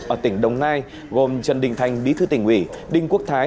ở tỉnh đồng nai gồm trần đình thành bí thư tỉnh ủy đinh quốc thái